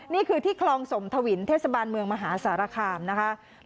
นี่คือที่คลองสมทวินเทศบาลเมืองมหาสารคามนะคะ